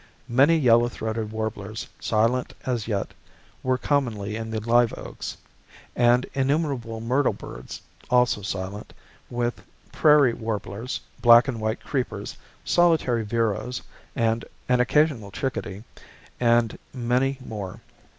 Many yellow throated warblers, silent as yet, were commonly in the live oaks, and innumerable myrtle birds, also silent, with prairie warblers, black and white creepers, solitary vireos, an occasional chickadee, and many more.